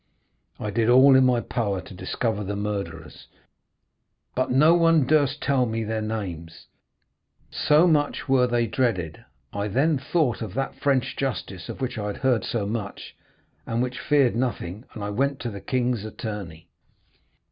I did all in my power to discover the murderers, but no one durst tell me their names, so much were they dreaded. I then thought of that French justice of which I had heard so much, and which feared nothing, and I went to the king's attorney."